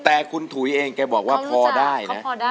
แต่คุณถุยเองแกบอกว่าพอได้นะ